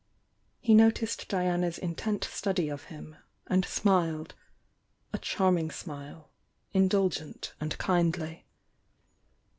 He noticed Diana's intent study of him, and smiled — a charm ing smile, indulgent and kindly.